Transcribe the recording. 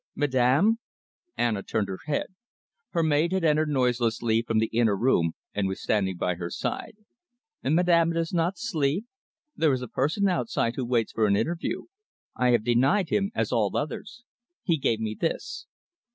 "Madame!" Anna turned her head. Her maid had entered noiselessly from the inner room and was standing by her side. "Madame does not sleep? There is a person outside who waits for an interview. I have denied him, as all others. He gave me this."